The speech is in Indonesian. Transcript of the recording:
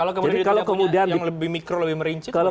kalau kemudian dia tidak punya yang lebih mikro lebih merinci itu bagaimana